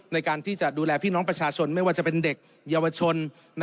ในการที่จะดูแลพี่น้องประชาชนไม่ว่าจะเป็นเด็กเยาวชน